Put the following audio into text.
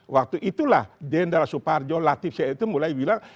waktu itulah jenderal suparjo latif saya itu mulai bilang